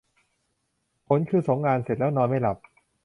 ผลคือส่งงานเสร็จแล้วนอนไม่หลับ !